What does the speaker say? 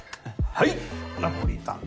・はいナポリタン。